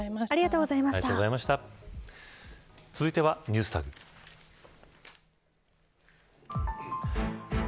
続いてはＮｅｗｓＴａｇです。